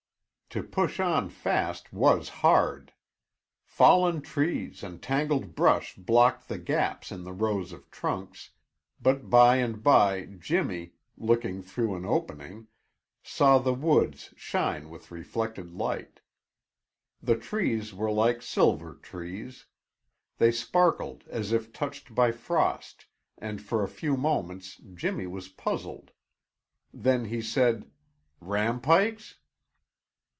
To push on fast was hard. Fallen trees and tangled brush blocked the gaps in the rows of trunks, but by and by Jimmy, looking through an opening, saw the woods shine with reflected light. The trees were like silver trees; they sparkled as if touched by frost, and for a few moments Jimmy was puzzled. Then he said, "Rampikes?"